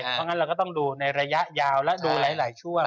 เพราะงั้นเราก็ต้องดูในระยะยาวและดูหลายชั่ว